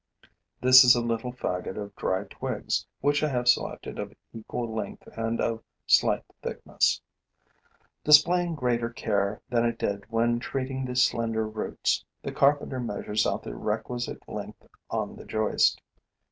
This is a little faggot of dry twigs, which I have selected of equal length and of slight thickness. Displaying greater care than it did when treating the slender roots, the carpenter measures out the requisite length on the joist.